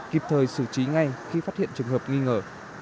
kịp thời xử trí ngay khi phát hiện trường hợp nghi ngờ